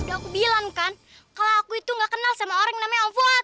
aku bilang kan kalau aku itu gak kenal sama orang yang namanya alfon